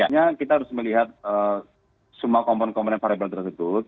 ya kita harus melihat semua komponen komponen variabel tersebut